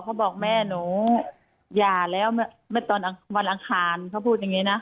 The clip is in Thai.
เขาบอกแม่หนูหย่าแล้วเมื่อตอนวันอังคารเขาพูดอย่างนี้นะ